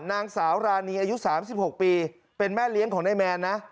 นางสาวรานีอายุ๓๖ปีเป็นแม่เลี้ยงของนายแมนนะ